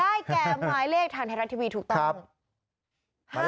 แก่หมายเลขทางไทยรัฐทีวีถูกต้อง